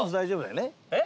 えっ？